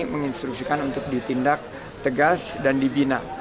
menginstruksikan untuk ditindak tegas dan dibina